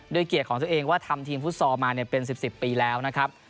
เกียรติของตัวเองว่าทำทีมฟุตซอลมาเป็น๑๐ปีแล้วนะครับ